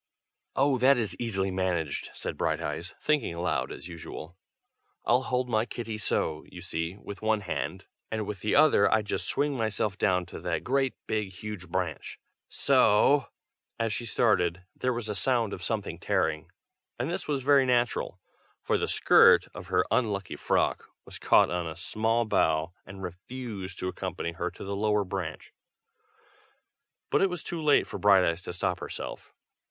"Oh! that is easily managed!" said Brighteyes, thinking aloud as usual. "I'll hold my kitty so, you see, with one hand, and with the other I just swing myself down to that great big huge branch, so " as she started, there was a sound of something tearing, and this was very natural, for the skirt of her unlucky frock was caught on a small bough and refused to accompany her to the lower branch; but it was too late for Brighteyes to stop herself.